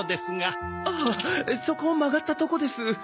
ああそこを曲がったとこです。